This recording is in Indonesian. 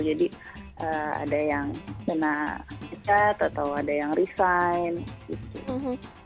jadi ada yang kena cat atau ada yang resign gitu